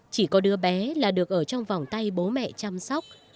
chỉ có đứa bé là được ở trong vòng tay bố mẹ chăm sóc